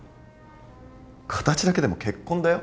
形だけでも結婚だよ？